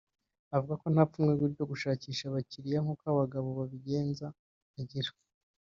Avuga ko nta pfunwe ryo gushakisha abakiriya nk’uko abagabo babigenza agira